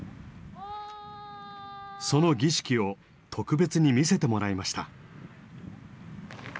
その儀式を特別に見せてもらいました。